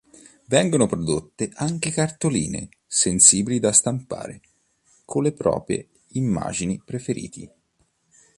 Vengono prodotte anche "cartoline" sensibili da stampare con le proprie immagini preferiti.